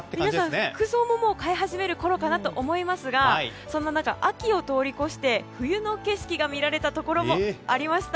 皆さん、服装も変え始めるころかなと思いますがそんな中、秋を通り過ぎて冬の景色が見られたところもありました。